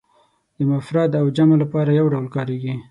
د مفرد او جمع لپاره یو ډول کاریږي.